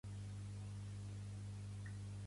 Pertany al moviment independentista el Macar?